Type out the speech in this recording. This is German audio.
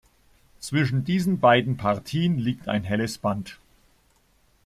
Zwischen diesen beiden Partien liegt ein helles Band.